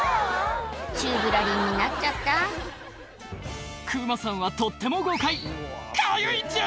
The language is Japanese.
宙ぶらりんになっちゃったクマさんはとっても豪快「かゆいんじゃ！」